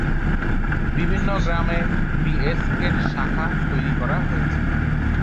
বিভিন্ন গ্রামে বিএসকে-র শাখা তৈরি করা হয়েছে।